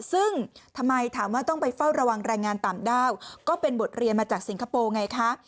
ซึ่งทำไมถามว่าต้องไปเฝ้าระวังแรงงานต่างด้าวก็เป็นบทเรียนมาจากสิงคโปร์ไงคะ